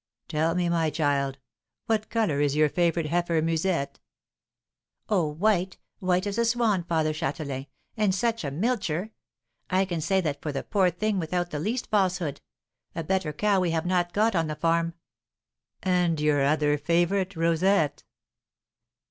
"Tell me, my child, what colour is your favourite heifer Musette?" "Oh, white white as a swan, Father Châtelain; and such a milcher! I can say that for the poor thing without the least falsehood, a better cow we have not got on the farm." "And your other favourite, Rosette?"